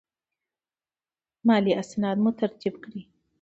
مالي اسناد مو ترتیب کړئ.